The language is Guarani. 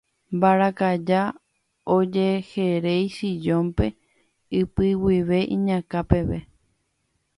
mbarakaja ojeheréi sillón-pe ipy guive iñakã peve